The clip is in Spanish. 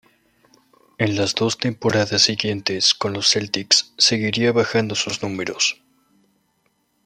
En las dos temporadas siguientes con los Celtics seguiría bajando sus números.